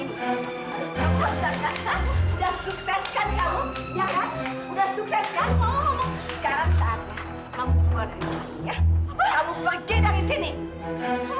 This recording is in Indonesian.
tidak selendang itu